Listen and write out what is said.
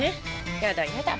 やだやだ。